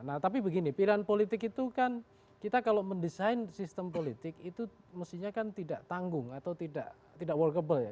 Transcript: nah tapi begini pilihan politik itu kan kita kalau mendesain sistem politik itu mestinya kan tidak tanggung atau tidak workable ya